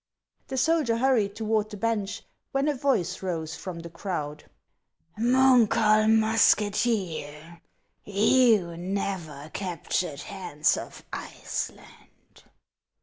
The soldier hurried toward the bench, when a voice rose from the crowd :" Munkholm musketeer, you never captured Hans of Iceland."